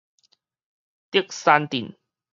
竹山鎮